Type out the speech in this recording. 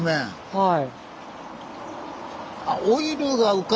はい。